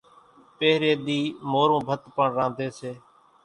پۿري ۮي مورون ڀت پڻ رانڌي سي